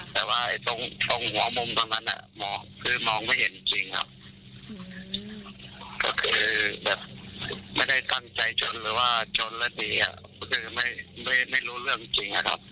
ก็คือแบบไม่ได้ตั้งใจชนหรือว่าชนแล้วดีไม่รู้เรื่องจริงนะครับ